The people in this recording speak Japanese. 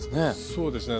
そうですね